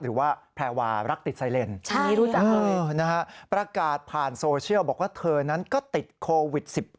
หรือว่าแพรวารักติดไซเลนประกาศผ่านโซเชียลบอกว่าเธอนั้นก็ติดโควิด๑๙